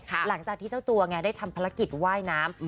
หลังจากที่เจ้าตัวไงได้ทำภารกิจว่ายน้ำ